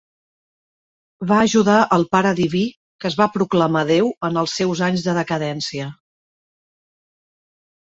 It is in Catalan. Va ajudar el Pare Diví, que es va proclamar Déu, en els seus anys de decadència.